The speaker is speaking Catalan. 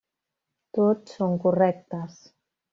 Tots són correctes.